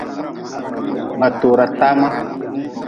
Ba tora tama.